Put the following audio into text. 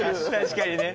確かにね